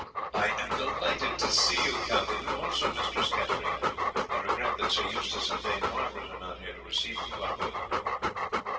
"I am delighted to see you, Count, and you also Mistress Katarina. I regret that Sir Eustace and Dame Margaret are not here to receive you properly."